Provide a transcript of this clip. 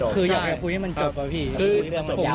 พี่บ้านไม่อยู่ว่าพี่คิดดูด